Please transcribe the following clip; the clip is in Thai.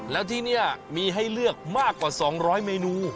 แล้วที่นี่มีให้เลือกมากกว่า๒๐๐เมนู